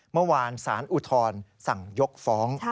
เมื่อวานสารอุทธรสั่งยกฟ้อง